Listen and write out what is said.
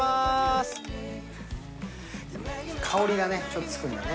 香りがねちょっとつくんだね。